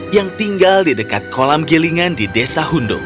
yang tinggal di dekat kolam gilingan di desa hundo